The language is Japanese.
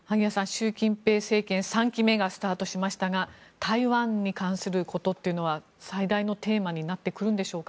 習近平政権が３期目がスタートしましたが台湾に関することというのは最大のテーマになってくるんでしょうか。